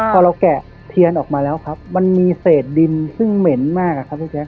พอเราแกะเทียนออกมาแล้วครับมันมีเศษดินซึ่งเหม็นมากอะครับพี่แจ๊